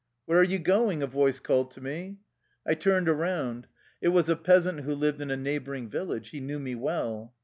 " Where are you going? " a voice called to me. I turned around. It was a peasant who lived in a neighboring village. He knew me well.